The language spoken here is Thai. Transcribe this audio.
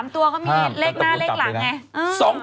ตัวเขามีเลขหน้าเลขหลังไง